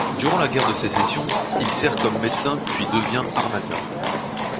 Durant la Guerre de Sécession, il sert comme médecin puis devient armateur.